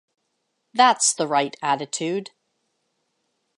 That's the right attitude.